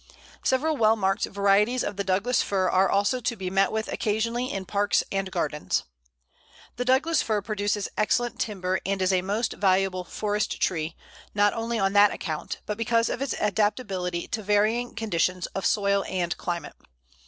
Several well marked varieties of the Douglas Fir are also to be met with occasionally in parks and gardens. The Douglas Fir produces excellent timber, and is a most valuable forest tree, not only on that account, but because of its adaptability to varying conditions of soil and climate.